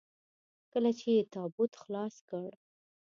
کله چې يې تابوت خلاص کړ.